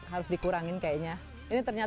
harus dikurangin kayaknya